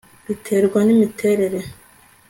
Biterwa nimiterere